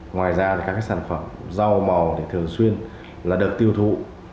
ngoài ra các sản phẩm rau màu thì thường xuyên là được tiêu thụ